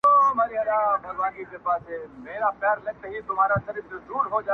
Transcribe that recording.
زړه مي له رباب سره ياري کوي.